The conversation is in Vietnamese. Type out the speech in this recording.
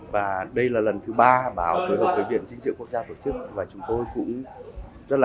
và đây là lần thứ ba báo đối hợp với viện dinh dưỡng quốc gia tổ chức và chúng tôi cũng rất là